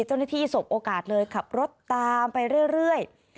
เจ้าหน้าที่สบโอกาสเลยขับรถตามไปเรื่อย